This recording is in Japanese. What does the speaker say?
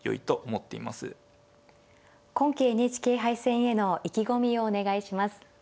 今期ＮＨＫ杯戦への意気込みをお願いします。